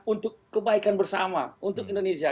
untuk kebaikan bersama untuk indonesia